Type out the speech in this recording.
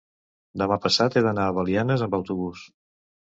demà passat he d'anar a Belianes amb autobús.